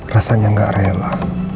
rasanya gak rela